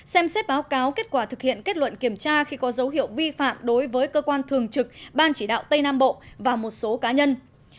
xem xét báo cáo kết quả thực hiện kết luận kiểm tra khi có dấu hiệu vi phạm đối với cơ quan thường trực ban chỉ đạo tây nam bộ và một số cá nhân